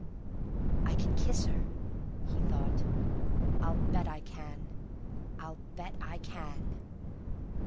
"I can kiss her," he thought. "I'll bet I can. I'll bet I can!"